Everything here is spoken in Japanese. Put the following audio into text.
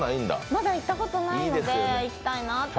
まだ行ったことないので、行きたいなと。